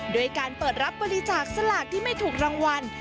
ด้วยการเปิดรับบริจาคสลากที่ไม่ถูกรางวัล